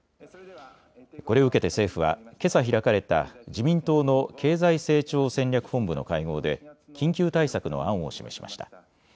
これを受けて政府はけさ開かれた自民党の経済成長戦略本部の会合で緊急対策の案を示しました。